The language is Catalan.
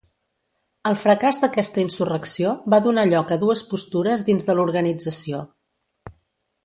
El fracàs d'aquesta insurrecció va donar lloc a dues postures dins de l'organització.